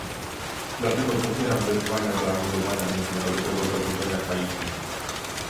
Dlatego popieram wezwania do anulowania międzynarodowego zadłużenia Haiti